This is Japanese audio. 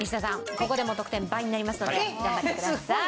ここでも得点倍になりますので頑張ってください。